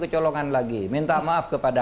kecolongan lagi minta maaf kepada